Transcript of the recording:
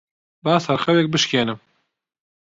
با سەرخەوێک بشکێنم.